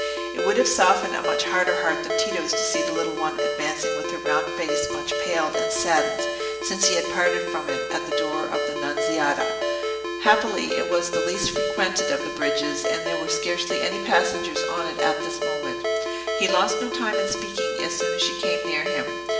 It would have softened a much harder heart than Tito's to see the little thing advancing with her round face much paled and saddened since he had parted from it at the door of the "Nunziata." Happily it was the least frequented of the bridges, and there were scarcely any passengers on it at this moment. He lost no time in speaking as soon as she came near him.